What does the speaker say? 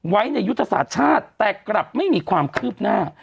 ไว้ในยุทธศาสตร์ชาติแต่กลับไม่มีความคืบหน้า